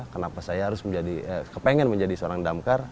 kenapa saya harus menjadi kepengen menjadi seorang damkar